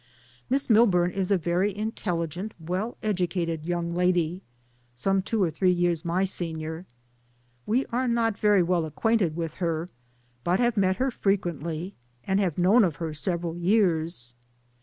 Miss Milburn is a very intelligent, well educated young lady, some two or three years my senior. We are not very well ac quainted with her, but have met her fre DAYS ON THE ROAD. 15 quently, and have known of her several years.